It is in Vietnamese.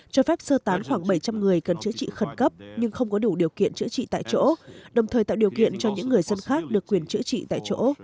cho phép sơ tán khoảng bảy trăm linh người cần chữa trị khẩn cấp nhưng không có đủ điều kiện chữa trị tại chỗ đồng thời tạo điều kiện cho những người dân khác được quyền chữa trị tại chỗ